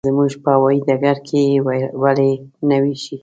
زموږ په هوايي ډګر کې یې ولې نه وېشي.